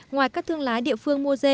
ngoài các thương lái địa phương mua dê